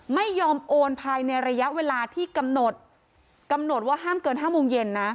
ไม่ยอมโอนภายในระยะเวลาที่กำหนดกำหนดว่าห้ามเกิน๕โมงเย็นนะ